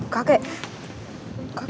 kakek kakek siapa